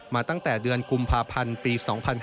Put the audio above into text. ตั้งแต่เดือนกุมภาพันธ์ปี๒๔